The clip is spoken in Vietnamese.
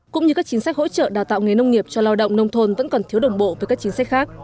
cũng như các chính sách hỗ trợ đào tạo nghề nông nghiệp cho lao động nông thôn vẫn còn thiếu đồng bộ với các chính sách khác